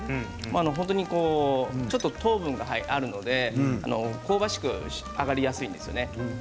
本当にちょっと糖分があるので香ばしく揚がりやすいんですよね。